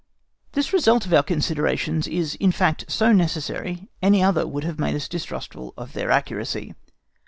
This result of our considerations is in fact so necessary, any other would have made us distrustful of their accuracy.